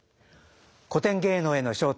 「古典芸能への招待」